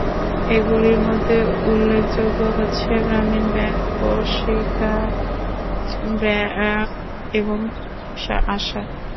এগুলির মধ্যে উল্লেখযোগ্য হচ্ছে গ্রামীণ ব্যাংক, প্রশিকা, ব্র্যাক, এবং আশা।